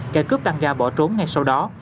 cây cướp tăng ra bỏ trốn ngay sau đó